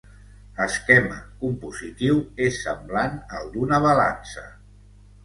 Esquema compositiu és semblant al d'una balança.